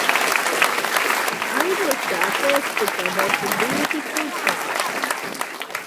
I was sarcastic about the beautiful part.